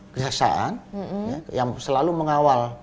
kesejahteraan yang selalu mengawal